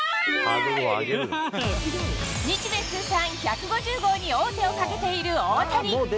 日米通算１５０号に王手をかけている大谷。